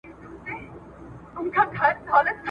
چیغي پورته له سړیو له آسونو `